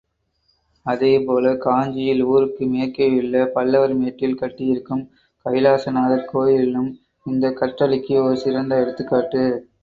அதேபோல, காஞ்சியில் ஊருக்கு மேற்கேயுள்ள பல்லவர் மேட்டில் கட்டியிருக்கும் கைலாசநாதர் கோயிலும் இந்தக் கற்றளிக்கு ஒரு சிறந்த எடுத்துக்காட்டு.